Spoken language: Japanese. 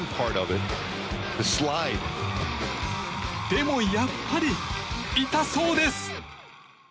でも、やっぱり痛そうです。